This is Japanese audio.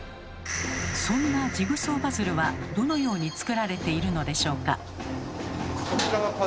そんなジグソーパズルはどのように作られているのでしょうか？